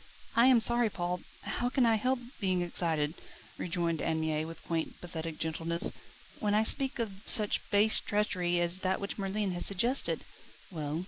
"I am sorry, Paul. How can I help being excited," rejoined Anne Mie with quaint, pathetic gentleness, "when I speak of such base treachery, as that which Merlin has suggested?" "Well?